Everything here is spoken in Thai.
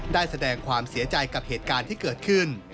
ได้แสดงความเสียใจกับเหตุการณ์ที่เกิดขึ้น